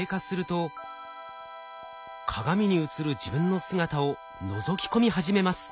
鏡に映る自分の姿をのぞき込み始めます。